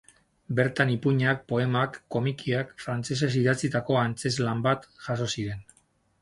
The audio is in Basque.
Bertan ipuinak, poemak, komikiak, frantsesez idatzitako antzezlan bat... jaso ziren.